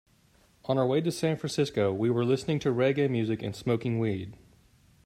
On our way to San Francisco, we were listening to reggae music and smoking weed.